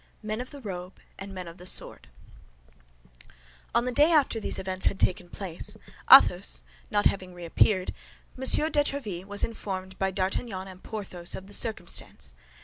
MEN OF THE ROBE AND MEN OF THE SWORD On the day after these events had taken place, Athos not having reappeared, M. de Tréville was informed by D'Artagnan and Porthos of the circumstance.